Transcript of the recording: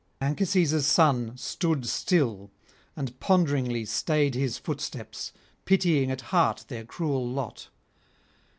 Anchises' son stood still, and ponderingly stayed his footsteps, pitying at heart their cruel lot.